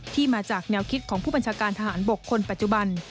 ที่มาจากแนวคิดของผู้บัญชาการทหารบกคนปัจจุบัน